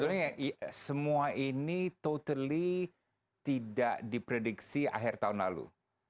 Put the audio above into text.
sebenarnya semua ini totally tidak diprediksi akhir tahun lalu